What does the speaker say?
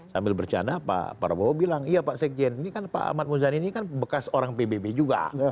sambil bercanda pak prabowo bilang iya pak sekjen ini kan pak ahmad muzani ini kan bekas orang pbb juga